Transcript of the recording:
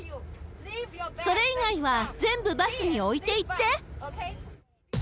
それ以外は全部バスに置いていって。